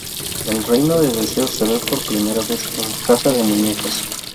El reino de Deseo se ve por primera vez en "Casa de Muñecas".